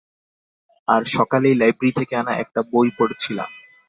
আর সকালেই লাইব্রেরি থেকে আনা একটা বই পড়ছিলাম।